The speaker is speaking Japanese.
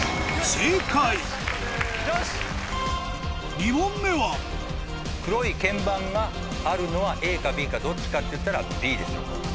正解２問目は黒い鍵盤があるのはＡかＢかどっちかっていったら。